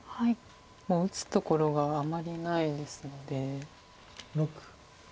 もう打つところがあまりないですので。